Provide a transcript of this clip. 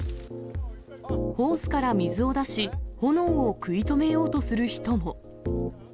ホースから水を出し、炎を食い止めようとする人も。